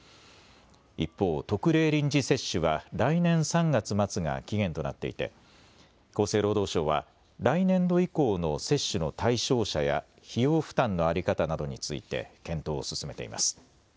一方、特例臨時接種は来年３月末が期限となっていて厚生労働省は来年度以降の接種の対象者や費用負担の在り方などについて検討を進めています。